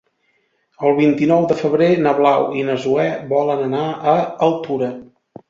El vint-i-nou de febrer na Blau i na Zoè volen anar a Altura.